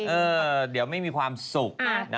เออเดี๋ยวไม่มีความสุข